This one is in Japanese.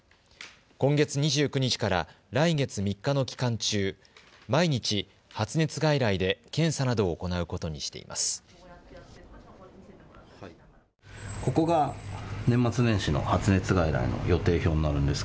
今月２９日から来月３日の期間中、毎日、発熱外来で検査などを行うことにしています。